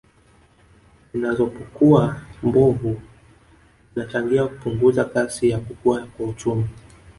Zinazopokuwa mbovu zinachangia kupunguza kasi ya kukua kwa uchumi